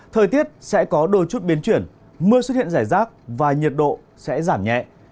thời tiết sẽ có đôi chút biến chuyển mưa xuất hiện rải rác và nhiệt độ sẽ giảm nhẹ